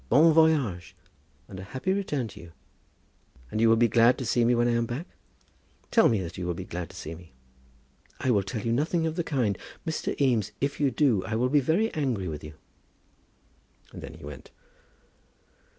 Bon voyage, and a happy return to you." "And you will be glad to see me when I am back? Tell me that you will be glad to see me." "I will tell you nothing of the kind. Mr. Eames, if you do, I will be very angry with you." And then he went.